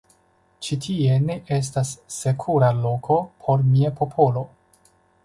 Ĉi tie ne estas sekura loko por mia popolo.